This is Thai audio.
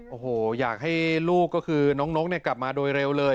โอ้โหอยากให้ลูกก็คือน้องนกกลับมาโดยเร็วเลย